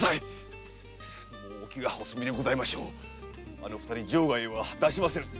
あの二人城外へは出しませぬぞ。